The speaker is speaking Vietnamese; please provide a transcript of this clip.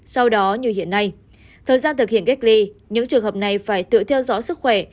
sau đó như hiện nay thời gian thực hiện cách ly những trường hợp này phải tự theo dõi sức khỏe